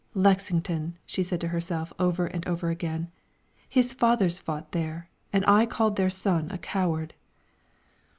"Lexington!" she said to herself over and over again; "his fathers fought there, and I called their son a coward!"